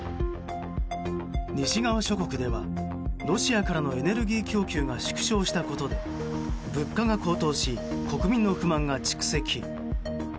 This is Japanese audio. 西側諸国ではロシアからのエネルギー供給が縮小したことで物価が高騰し国民の不満が蓄積。